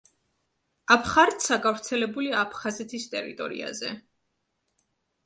აბხარცა გავრცელებულია აფხაზეთის ტერიტორიაზე.